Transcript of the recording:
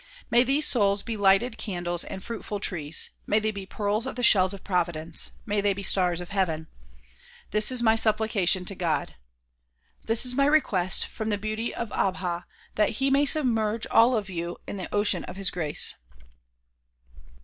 May these souls be lighted candles and fruitful trees; may they be pearls of the shells of providence ; may they be stars of heaven. This is my supplication to God. This is my request from the Beauty of Abha that he may submerge all of you in the ocean of his grace.